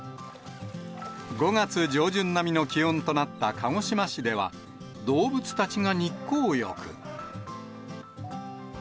５月上旬並みの気温となった鹿児島市では、動物たちが日光浴。